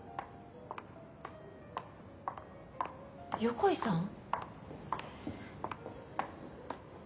・横井さん？